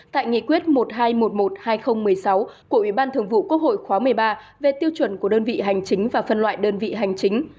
tại nghị quyết một nghìn hai trăm một mươi một hai nghìn một mươi sáu của ủy ban thường vụ quốc hội khóa một mươi ba về tiêu chuẩn của đơn vị hành chính và phân loại đơn vị hành chính